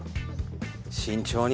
慎重に。